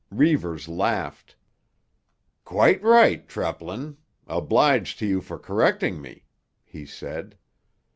Reivers laughed. "Quite right, Treplin; obliged to you for correcting me," he said.